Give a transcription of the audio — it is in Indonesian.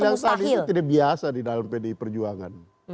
saya sudah bilang tadi itu tidak biasa di dalam pedi perjuangan